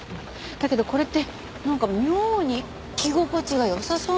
だけどこれってなんか妙に着心地が良さそうなんですよね。